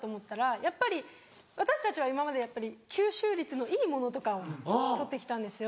やっぱり私たちは今まで吸収率のいいものとかを取って来たんですよ。